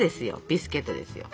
ビスケットですよ。